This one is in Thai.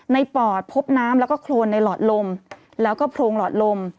ปอดพบน้ำแล้วก็โครนในหลอดลมแล้วก็โพรงหลอดลม